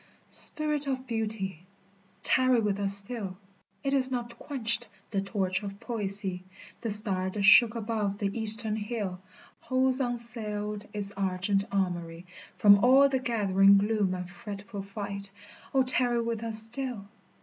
Spirit of Beauty ! tarry with us still, It is not quenched the torch of poesy, The star that shook above the Eastern hill Holds unassailed its argent armory From all the gathering gloom and fretful fight — O tarry with us still